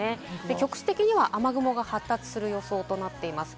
局地的には雨雲が発達する予想となっています。